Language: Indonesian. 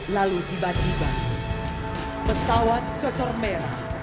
lalu tiba tiba pesawat cocok merah